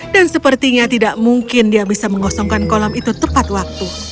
dan sepertinya tidak mungkin dia bisa mengosongkan kolam itu tepat waktu